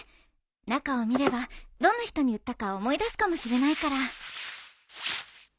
中を見ればどんな人に売ったか思い出すかもしれないから。